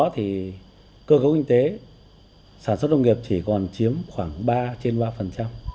thì cơ cấu kinh tế sản xuất nông nghiệp chỉ còn chiếm khoảng ba trên ba